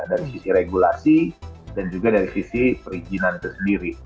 dari sisi regulasi dan juga dari sisi perizinan itu sendiri